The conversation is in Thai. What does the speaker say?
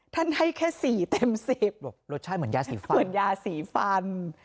ท่านให้แค่สี่เต็มสิบรสชาติเหมือนยาสีฟัน